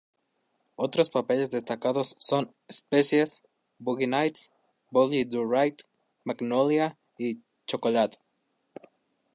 Otros papeles destacados son "Species", "Boogie Nights", "Dudley Do-Right", "Magnolia", y "Chocolat".